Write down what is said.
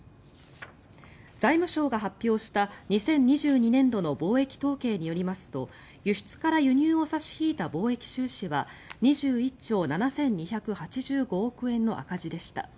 財務省が発表した２０２２年度の貿易統計によりますと輸出から輸入を差し引いた貿易収支は２１兆７２８５億円の赤字でした。